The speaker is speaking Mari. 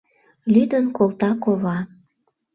— Лӱдын колта кова.